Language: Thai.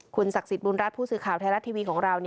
ศักดิ์สิทธิบุญรัฐผู้สื่อข่าวไทยรัฐทีวีของเรา